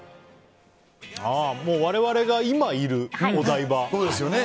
我々が今いるお台場。